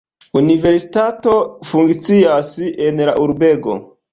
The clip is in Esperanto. Universitato funkcias en la urbego.